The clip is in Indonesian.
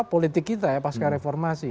politik kita ya pasca reformasi